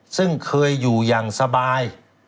ซึ่งเคยอยู่อย่างสบาย